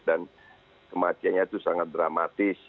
dan kematiannya itu sangat dramatis